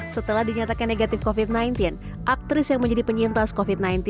setelah dinyatakan negatif covid sembilan belas aktris yang menjadi penyintas covid sembilan belas